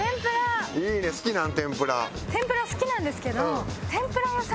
天ぷら好きなんですけど。